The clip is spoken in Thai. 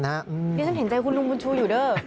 นี่ฉันเห็นใจคุณลุงบุญชูอยู่เด้อ